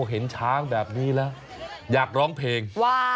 เห็นช้างแบบนี้แล้วอยากร้องเพลง